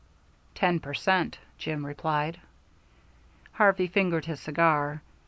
"Ten per cent," Jim replied. Harvey fingered his cigar.